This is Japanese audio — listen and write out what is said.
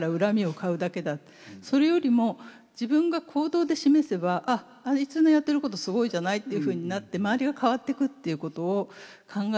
それよりも自分が行動で示せば「あっあいつのやってることすごいじゃない」っていうふうになって周りが変わってくっていうことを考えると。